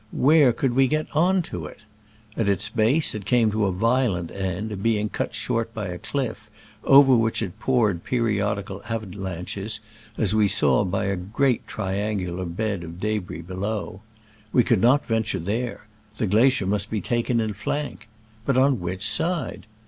Where could we get on to it? At its base it came to a violent end, being cut short by a cliff, over which it poured periodical avalanches, as we saw by a great trian gular bed of debris below. We could not venture there — the glacier must be taken in fiank. But on which side?